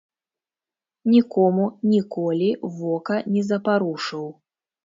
Нікому ніколі вока не запарушыў.